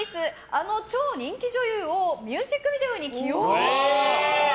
あの超人気女優をミュージックビデオに起用！